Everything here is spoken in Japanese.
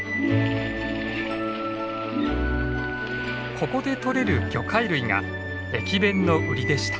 ここでとれる魚介類が駅弁のウリでした。